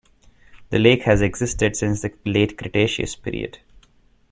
The lake has existed since the late Cretaceous Period.